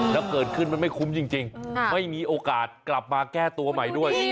แล้วเกิดขึ้นมันไม่คุ้มจริงไม่มีโอกาสกลับมาแก้ตัวใหม่ด้วย